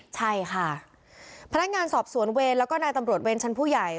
ใช่ค่ะพนักงานสอบสวนเวรแล้วก็นายตำรวจเวรชั้นผู้ใหญ่